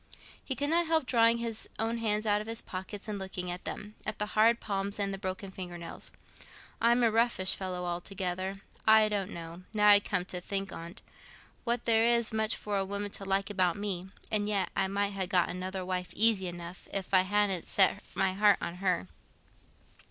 He could not help drawing his own hands out of his pocket and looking at them—at the hard palms and the broken finger nails. "I'm a roughish fellow, altogether; I don't know, now I come to think on't, what there is much for a woman to like about me; and yet I might ha' got another wife easy enough, if I hadn't set my heart on her.